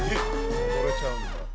「踊れちゃうんだ」